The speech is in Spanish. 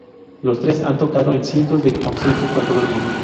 Los tres han tocado en cientos de conciertos en todo el mundo.